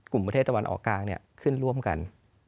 กลุ่มประเทศตะวันออกกลางขึ้นร่วมกัน